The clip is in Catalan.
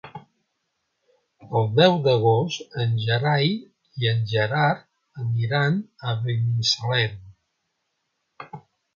El deu d'agost en Gerai i en Gerard aniran a Binissalem.